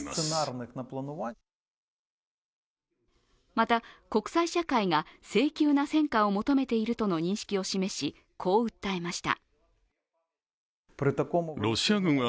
また、国際社会が性急な戦果を求めているとの認識を示し、こう訴えました。